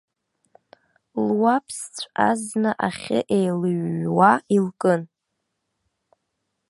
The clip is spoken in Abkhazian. Луаԥсҵә азна ахьы еилыҩҩуа илкын.